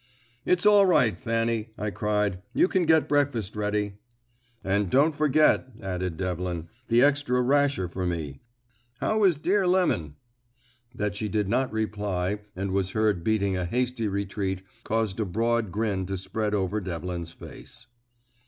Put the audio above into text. "It's all right, Fanny," I cried. "You can get breakfast ready." "And don't forget," added Devlin, "the extra rasher for me. How is dear Lemon?" That she did not reply and was heard beating a hasty retreat caused a broad grin to spread over Devlin's face.